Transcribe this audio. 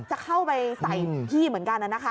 จะเข้าไปใส่พี่เหมือนกันนะคะ